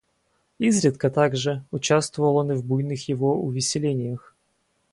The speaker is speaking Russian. Изредка также, участвовал он и в буйных его увеселениях.